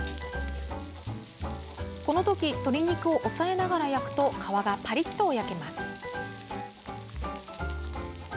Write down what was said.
このとき鶏肉を押さえながら焼くと、皮がパリッと焼けます。